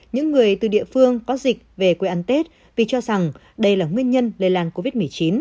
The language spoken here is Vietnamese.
những người từ địa phương có dịch về quê ăn tết vì cho rằng đây là nguyên nhân lây lan covid một mươi chín